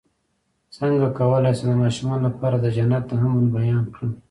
څنګه کولی شم د ماشومانو لپاره د جنت د امن بیان کړم